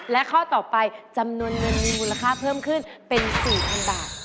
และข้อต่อไปจำนวนเงินมีมูลค่าเพิ่มขึ้นเป็น๔๐๐๐บาท